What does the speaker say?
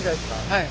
はい。